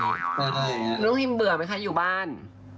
พี่ทุ้มโอฮิลเบื่อไหมคะอยู่บ้าน